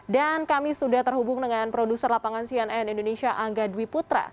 dan kami sudah terhubung dengan produser lapangan cnn indonesia angga dwi putra